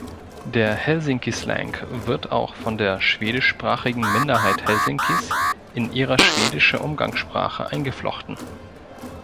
Der Helsinki-Slang wird auch von der schwedischsprachigen Minderheit Helsinkis in ihre schwedische Umgangssprache eingeflochten.